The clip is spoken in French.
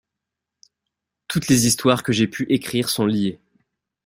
Toutes les histoires que j’ai pu écrire sont liées.